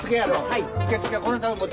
はい。